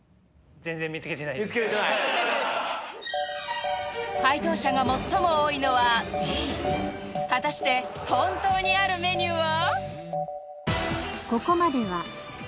見つけられてない解答者が最も多いのはＢ果たして本当にあるメニューは？